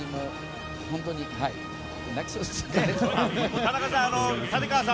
本当に泣きそうです。